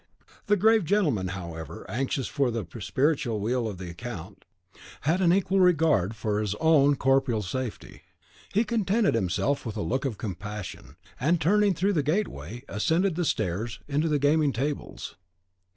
The grave gentleman, however anxious for the spiritual weal of the count, had an equal regard for his own corporeal safety. He contented himself with a look of compassion, and, turning through the gateway, ascended the stairs to the gaming tables.